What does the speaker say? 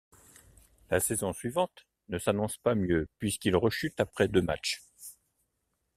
La saison suivante ne s'annonce pas mieux puisqu'il rechute après deux matchs.